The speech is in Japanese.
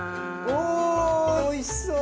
おおいしそう！